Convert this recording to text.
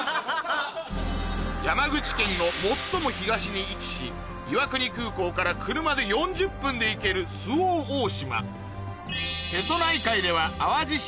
山口県の最も東に位置し岩国空港から車で４０分で行ける周防大島瀬戸内海では淡路島